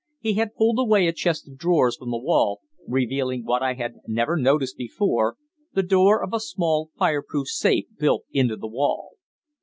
He had pulled away a chest of drawers from the wall, revealing what I had never noticed before, the door of a small fireproof safe built into the wall.